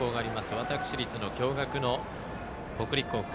私立の共学の北陸高校。